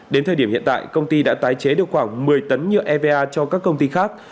đến thời điểm hiện tại công ty đã tái chế được khoảng một mươi tấn nhựa eva cho các công ty khác